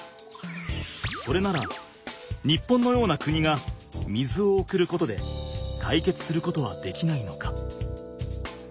それなら日本のような国が水を送ることで解決することはできないのか？